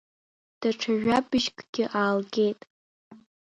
Даҽа жәабжькгьы аалгеит.